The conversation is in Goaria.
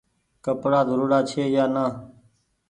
ڪپڙآ ڌوڙاڙا ڇي يا نآ